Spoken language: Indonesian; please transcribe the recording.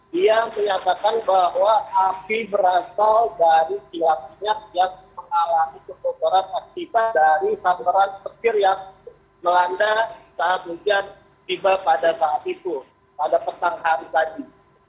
dia menyatakan bahwa api berasal dari kilang minyak yang mengalami kebocoran akibat dari saluran petir yang melanda saat hujan tiba pada saat itu pada petang hari tadi